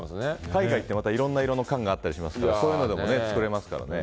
海外行っていろんな色の缶があったりしますからそういうのでも作れますからね。